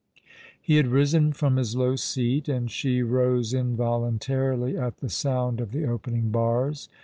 He had risen from his low seat, and she rose involuntarily at the sound of the opening bars.